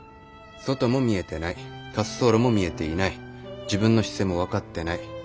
外も見えてない滑走路も見えていない自分の姿勢も分かってない。